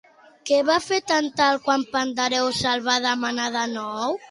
Què va fer Tàntal quan Pandàreu se'l va demanar de nou?